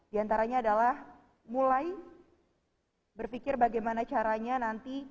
diantaranya adalah mulai berpikir bagaimana caranya nanti